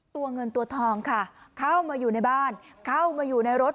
ตัวเงินตัวทองค่ะเข้ามาอยู่ในบ้านเข้ามาอยู่ในรถ